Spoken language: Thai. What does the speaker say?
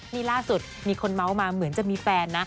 นี่ล่าสุดมีคนเมาส์มาเหมือนจะมีแฟนนะ